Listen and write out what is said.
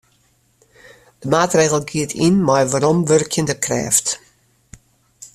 De maatregel giet yn mei weromwurkjende krêft.